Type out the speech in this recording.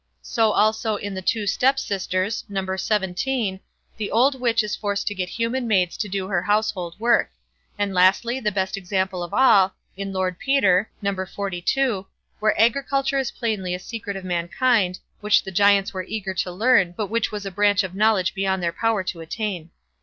So also in the "Two Step sisters", No. xvii, the old witch is forced to get human maids to do her household work; and, lastly, the best example of all, in "Lord Peter", No. xlii, where agriculture is plainly a secret of mankind, which the Giants were eager to learn, but which was a branch of knowledge beyond their power to attain.